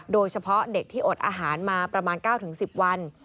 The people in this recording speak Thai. โดยเฉพาะเด็กที่อดอาหารมาประมาณ๙๑๐วัน